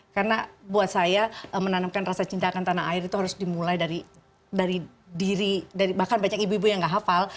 karena buat saya menanamkan rasa cinta akan tanah air itu harus dimulai dari diri bahkan banyak ibu ibu yang gak hafal